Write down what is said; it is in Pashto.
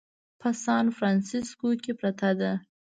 په سان فرانسیسکو کې پرته ده.